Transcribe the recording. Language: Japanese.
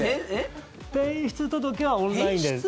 転出届はオンラインで。